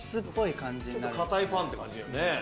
堅いパンって感じだよね。